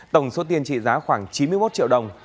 tổng số tiền trị giá khoảng chín mươi một triệu đồng